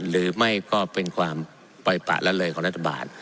หรือไม่ก็เป็นความปล่อยปะละเลยของรัฐบาล